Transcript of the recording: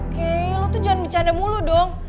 kei lo tuh jangan bercanda mulu dong